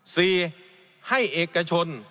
สี่ให้เอกชน